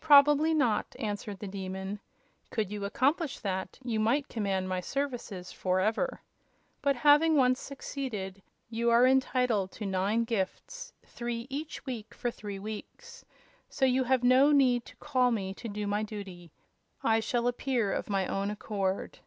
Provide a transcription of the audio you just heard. "Probably not," answered the Demon. "Could you accomplish that, you might command my services forever. But, having once succeeded, you are entitled to the nine gifts three each week for three weeks so you have no need to call me to do my duty. I shall appear of my own accord."